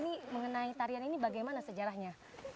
ini mengenai tarian ini bagaimana sejarahnya